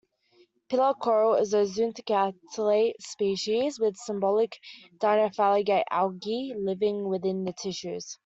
Pillar coral is a zooxanthellate species, with symbiotic dinoflagellate algae living within the tissues.